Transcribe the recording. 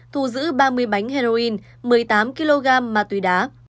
thu giữ ba mươi bánh heroin một mươi tám kg ma túy đá